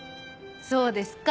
そうですか。